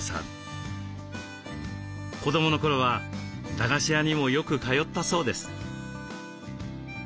子どもの頃は駄菓子屋にもよく通ったそうです。